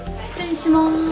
失礼します。